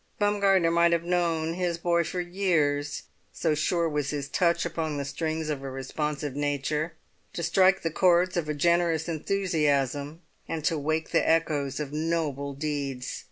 Baumgartner might have known his boy for years, so sure was his touch upon the strings of a responsive nature, to strike the chords of a generous enthusiasm, and to wake the echoes of noble deeds.